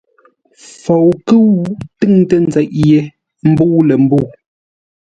FOUKƏ́U tʉŋtə nzeʼ yé mbə̂u lə̂ mbə̂u.